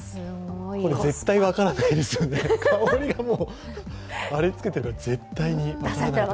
絶対分からないですよね、香りがもう、あれつけてるから。